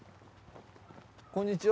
こんにちは。